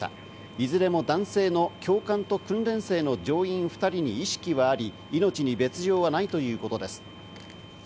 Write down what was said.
いずれも男性の教官と訓練生の乗員２人に意識はあり、命に別条はないということです。